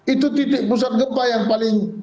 itu titik pusat gempa yang paling